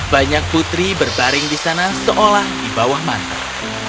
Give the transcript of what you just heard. banyak putri berbaring di sana seolah di bawah mantan